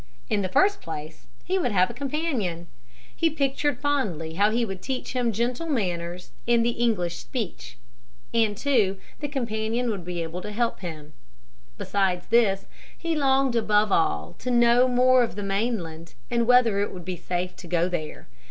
In the first place he would have a companion. He pictured fondly how he would teach him gentle manners and the English speech. And, too, the companion would be able to help him. Besides this he longed above all to know more of the mainland and whether it would be safe to go there.